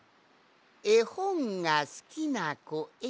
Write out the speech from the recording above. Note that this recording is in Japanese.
「えほんがすきなこへ」